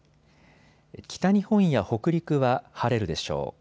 北日本や北陸は晴れるでしょう。